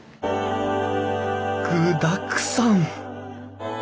具だくさん！